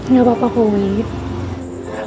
tidak apa apa pak willy